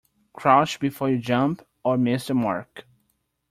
Crouch before you jump or miss the mark.